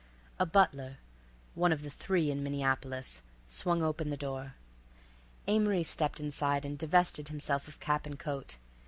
A butler (one of the three in Minneapolis) swung open the door. Amory stepped inside and divested himself of cap and coat.